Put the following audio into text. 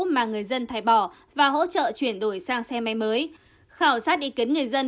mà người dân thải bỏ và hỗ trợ chuyển đổi sang xe máy mới khảo sát ý kiến người dân